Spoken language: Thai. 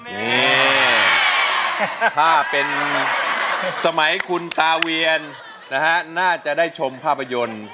นี่ถ้าเป็นสมัยคุณตาเวียนนะฮะน่าจะได้ชมภาพยนตร์